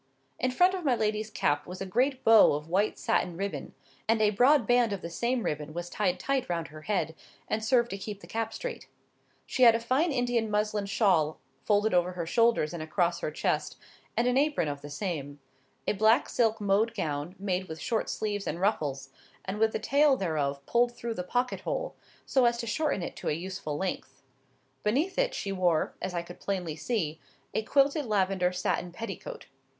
In front of my lady's cap was a great bow of white satin ribbon; and a broad band of the same ribbon was tied tight round her head, and served to keep the cap straight. She had a fine Indian muslin shawl folded over her shoulders and across her chest, and an apron of the same; a black silk mode gown, made with short sleeves and ruffles, and with the tail thereof pulled through the pocket hole, so as to shorten it to a useful length: beneath it she wore, as I could plainly see, a quilted lavender satin petticoat.